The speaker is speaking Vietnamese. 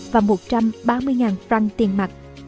và một trăm ba mươi franc tiền mặt